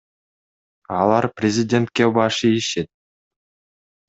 Алар президентке баш ийишет.